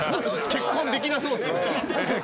結婚できなそうっすね。